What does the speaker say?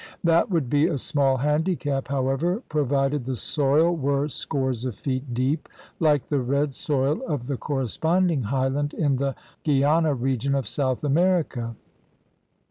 That would be a small handicap, however, pro vided the soil were scores of feet deep like the red soil of the corresponding highland in the Guiana region of South America.